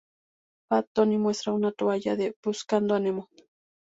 Fat Tony muestra una toalla de "Buscando a Nemo".